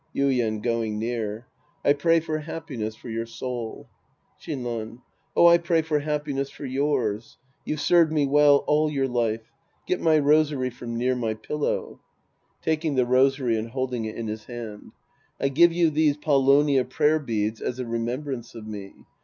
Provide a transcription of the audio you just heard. Yuien {going near). I pray for happiness for your soul. Shinran. Oh, I pray for happiness for yours. You've served me well all your life. Get my rosary Sc. II The Priest and His Disciples 233 from near my pillow. {Taking the rosary and holding it in his hand.) I give you these paulownia prayer beads as a remembrance of me.